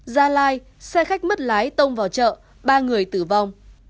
gia lai xe khách mất lái tông vào chợ ba người tử vong